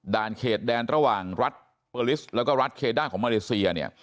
เขตแดนระหว่างรัฐเปอร์ลิสแล้วก็รัฐเคด้าของมาเลเซียเนี่ย